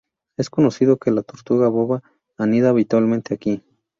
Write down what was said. Es conocido que la tortuga boba anida habitualmente aquí.